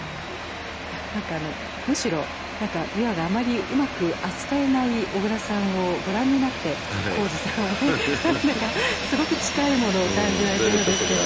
何かむしろ琵琶があまりうまく扱えない小椋さんをご覧になって宏司さんはね何かすごく近いものを感じられたようですけどね。